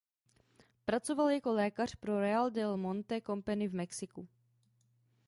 Pracoval jako lékař pro Real del Monte Company v Mexiku.